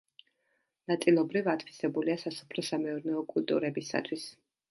ნაწილობრივ ათვისებულია სასოფლო-სამეურნეო კულტურებისათვის.